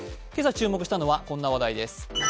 今朝注目したのは、こんな話題です